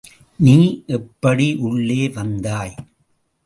நீ எப்படி உள்ளே வந்தாய்?